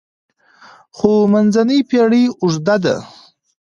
خو منځنۍ پېړۍ اوږده وه.